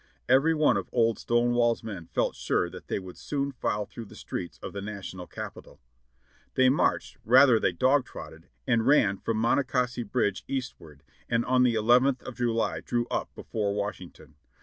Every one of Old Stonewall's men felt sure that they would soon file through the streets of the Na tional Capital. They marched, rather they dog trotted, and ran from Monocacy Bridge eastward, and on the eleventh of July drew up before Washington.